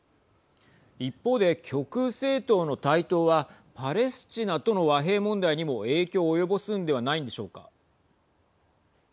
一方で、極右政党の台頭はパレスチナとの和平問題にも影響を及ぼすんではないんでしょうか。